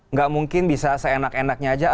nggak mungkin bisa seenak enaknya aja